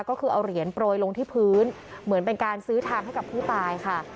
ก็คือเอาเหรียญโปรยลงที่พื้นเหมือนเป็นการซื้อทางให้กับผู้ตายค่ะ